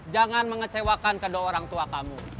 jangan mengecewakan kedua orang tua kamu